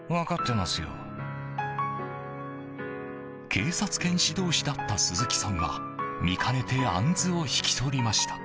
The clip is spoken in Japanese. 警察犬指導士だった鈴木さんは見かねてアンズを引き取りました。